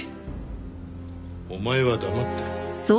お前は黙ってろ。